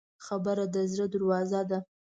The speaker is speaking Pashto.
خبره د زړه دروازه ده.